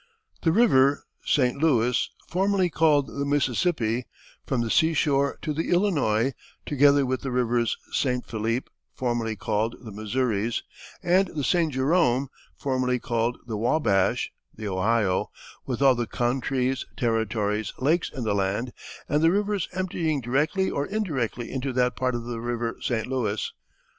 The river St. Louis, formerly called the Mississippi, from the sea shore to the Illinois, together with the rivers St. Phillipe, formerly called the Missouries, and the St. Jerome, formerly called the Wabash (the Ohio), with all the countries, territories, lakes in the land, and the rivers emptying directly or indirectly into that part of the river St. Louis.